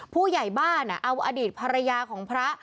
ผู้ใหญ่บ้านเอาอดีตภรรยาของพระ